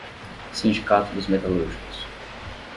Sindicato dos metalúrgicos